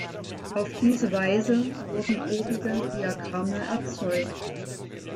Auf diese Weise wurden obige Diagramme erzeugt.